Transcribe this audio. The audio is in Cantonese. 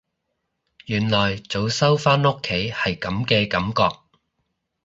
原來早收返屋企係噉嘅感覺